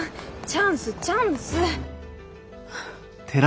チャンスチャンス。